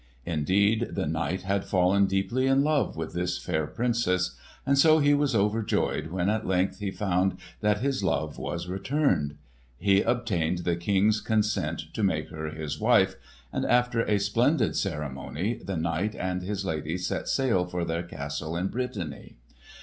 Indeed, the knight had fallen deeply in love with this fair Princess, and so he was overjoyed when at length he found that his love was returned. He obtained the King's consent to make her his wife; and after a splendid ceremony the knight and his lady set sail for their castle in Brittany.